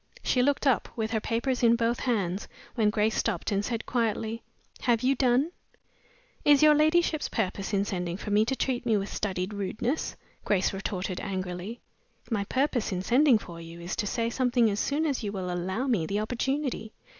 She looked up, with her papers in both hands, when Grace stopped, and said, quietly, "Have you done?" "Is your ladyship's purpose in sending for me to treat me with studied rudeness?" Grace retorted, angrily. "My purpose in sending for you is to say something as soon as you will allow me the opportunity."